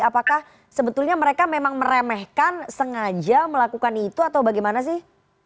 apakah sebetulnya mereka memang meremehkan sengaja melakukan itu atau bagaimana sih